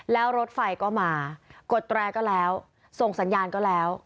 แล้วรถไฟก็มากดแตรก็แล้วส่งสัญญาณก็แล้ว